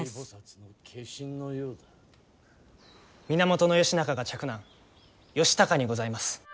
源義仲が嫡男義高にございます。